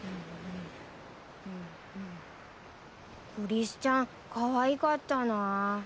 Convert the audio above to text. コリスちゃんかわいかったな。